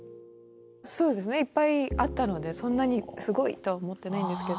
そうですねいっぱいあったのでそんなにすごいとは思ってないんですけど。